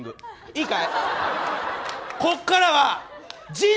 いいかい！